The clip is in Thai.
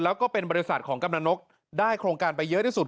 แล้วก็เป็นบริษัทของกำลังนกได้โครงการไปเยอะที่สุด